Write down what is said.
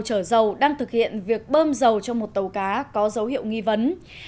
chở dầu đang thực hiện việc bơm dầu cho một tàu cá có dấu hiệu nghi vấn